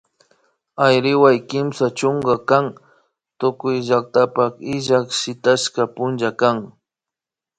Ayriwa Kimsa chunka kan tukuy llaktapak illak shitashka punlla kan